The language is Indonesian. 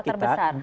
tawar terbesar pks